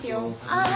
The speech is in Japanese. ああ。